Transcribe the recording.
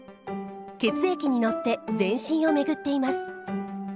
血液に乗って全身を巡っています。